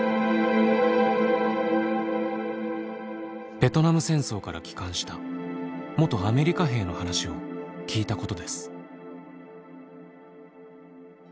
ベトナム戦争から帰還した元アメリカ兵の話を聞いたことです。